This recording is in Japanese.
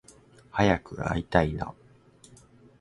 早く会いたいな